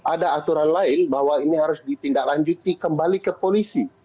ada aturan lain bahwa ini harus ditindaklanjuti kembali ke polisi